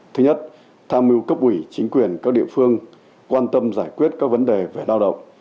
thứ nhất tham mưu cấp ủy chính quyền các địa phương quan tâm giải quyết các vấn đề về lao động